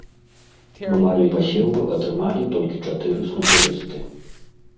Нумары пасеву атрымалі толькі чатыры снукерысты.